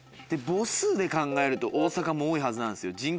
母数で考えると大阪も多いはずなんですよ。